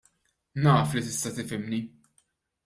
Naf li tista' tifhimni!